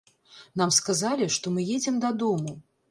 Нам сказалі, што мы едзем дадому.